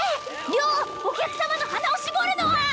良お客様の鼻を搾るのは！